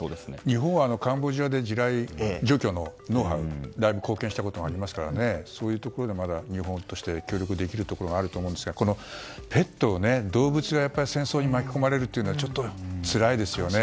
日本はカンボジアでの地雷除去のノウハウでだいぶ貢献したことがありますからそういうところで日本として協力できるところがあると思うんですがこのペットを、動物が戦争に巻き込まれるのはちょっとつらいですよね。